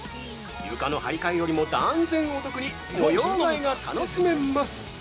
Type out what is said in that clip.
床の張り替えよりも断然お得に模様替えが楽しめます！